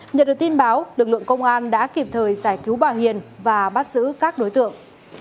nhận được tin báo lực lượng công an đã kịp thời giải cứu bà hiền và bắt giữ các đối tượng